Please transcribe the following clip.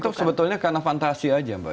atau sebetulnya karena fantasi aja mbak